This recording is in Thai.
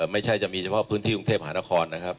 ไม่ใช่จะมีเฉพาะพื้นที่กรุงเทพหานครนะครับ